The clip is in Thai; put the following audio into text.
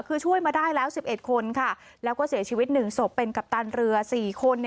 คือช่วยมาได้แล้ว๑๑คนค่ะแล้วก็เสียชีวิต๑ศพเป็นกัปตันเรือ๔คน